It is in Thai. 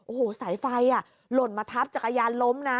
โอ้โหสายไฟหล่นมาทับจักรยานล้มนะ